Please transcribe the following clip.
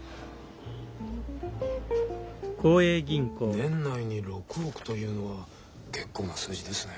年内に６億というのは結構な数字ですね。